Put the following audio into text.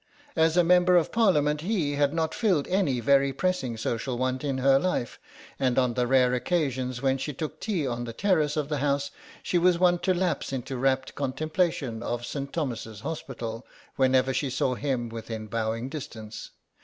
As a Member of Parliament he had not filled any very pressing social want in her life, and on the rare occasions when she took tea on the Terrace of the House she was wont to lapse into rapt contemplation of St. Thomas's Hospital whenever she saw him within bowing distance.